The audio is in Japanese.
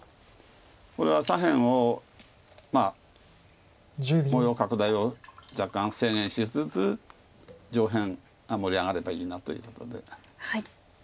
これは左辺を模様拡大を若干制限しつつ上辺が盛り上がればいいなということで。